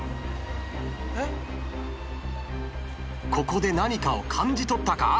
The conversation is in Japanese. ここで何かを感じ取ったか？